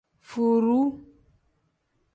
Furuu.